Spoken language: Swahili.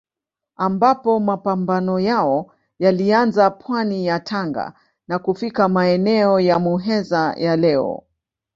Ambapo mapambano yao yalianza pwani ya Tanga na kufika maeneo ya Muheza ya leo.